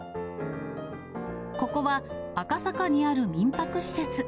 ここは赤坂にある民泊施設。